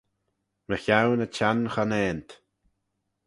Mychione y Çhenn Chonaant.